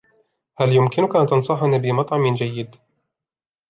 هل يمكنك أن تنصحني بمطعم جيد ؟